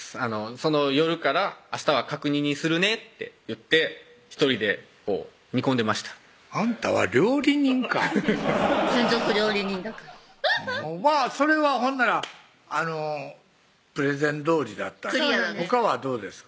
その夜から「明日は角煮にするね」って言って１人でこう煮込んでましたあんたは料理人かフフフッ専属料理人だからそれはほんならプレゼンどおりだったほかはどうですか？